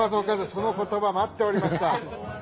その言葉待っておりました。